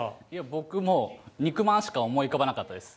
僕も肉まんしか思い浮かばなかったです。